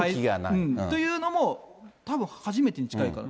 というのも、たぶん初めてに近いかな。